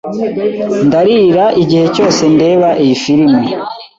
Ndarira igihe cyose ndeba iyi firime.